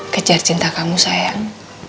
kejar cinta kamu sayang